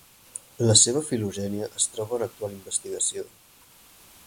La seva filogènia es troba en actual investigació.